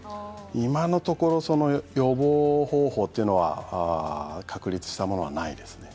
今のところ予防方法というのは確立したものはないですね。